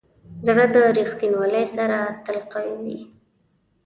زړه د ریښتینولي سره تل قوي وي.